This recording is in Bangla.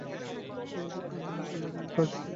ওই আরামের কাজ?